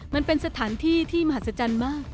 มันเป็นสถานที่ที่มหัศจรรย์มาก